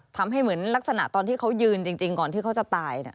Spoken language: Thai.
ทำให้เหมือนลักษณะตอนที่เขายืนจริงก่อนที่เขาจะตาย